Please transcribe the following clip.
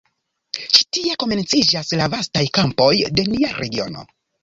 Ĉi tie komenciĝas la vastaj kampoj de nia regiono.